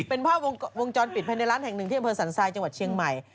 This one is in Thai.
เป็นภาพวงจรปิดภายในร้านแห่งหนึ่งที่อำเภอสันทรายจังหวัดเชียงใหม่